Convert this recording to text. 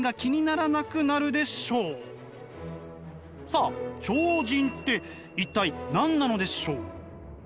さあ超人って一体何なのでしょう？